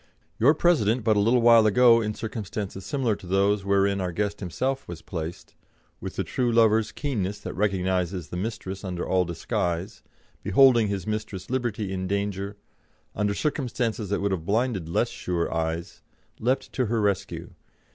Your President but a little while ago in circumstances similar to those wherein our guest himself was placed, with the true lover's keenness that recognises the mistress under all disguise, beholding his mistress Liberty in danger, under circumstances that would have blinded less sure eyes, leapt to her rescue.